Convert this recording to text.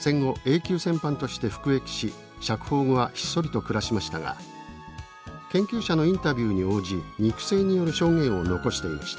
戦後Ａ級戦犯として服役し釈放後はひっそりと暮らしましたが研究者のインタビューに応じ肉声による証言を残していました。